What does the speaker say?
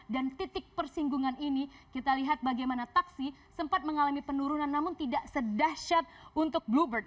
dan titik persinggungan ini kita lihat bagaimana taksi sempat mengalami penurunan namun tidak sedahsyat untuk bluebird